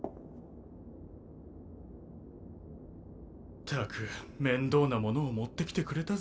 ったく面倒なものを持ってきてくれたぜ。